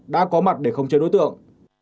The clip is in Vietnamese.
đã có mặt để không chê đối tượng